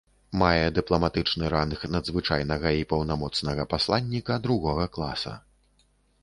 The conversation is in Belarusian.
Мае дыпламатычны ранг надзвычайнага і паўнамоцнага пасланніка другога класа.